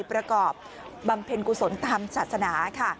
ประกอบบำเพ็ญกุศลตามศาสนาค่ะ